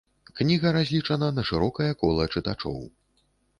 Кніга разлічана на шырокае кола чытачоў.